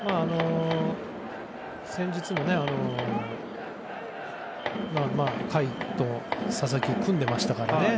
先日も甲斐と佐々木は組んでいましたからね。